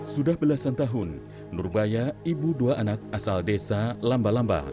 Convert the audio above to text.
sudah belasan tahun nurbaya ibu dua anak asal desa lamba lamba